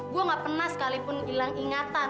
gue gak pernah sekalipun hilang ingatan